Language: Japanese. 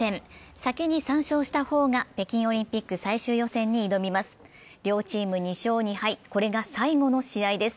先に３勝した方が北京オリンピック最終予選に挑みます。